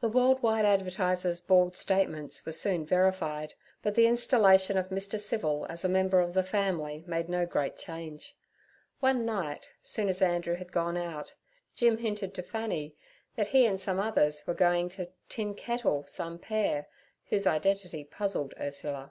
The World wide Advertiser's bald statements were soon verified, but the installation of Mr. Civil as a member of the family made no great change. One night, soon as Andrew had gone out, Jim hinted to Fanny that he and some others were going to tinkettle some pair whose identity puzzled Urula.